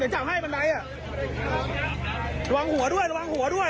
พี่อาห์งไปดึงเดี๋ยวเจ้าให้บันไลย์